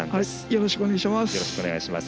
よろしくお願いします。